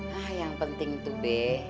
hah yang penting tuh b